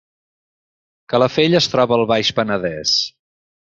Calafell es troba al Baix Penedès